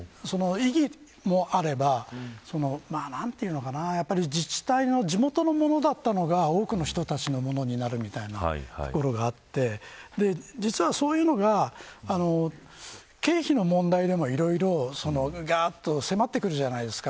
異議もあれば自治体の地元のものだったのが多くの人たちのものになるみたいなところがあって実はそういうのが経費の問題でもいろいろ迫ってくるじゃないですか。